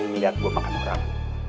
ngeliat gue makan orang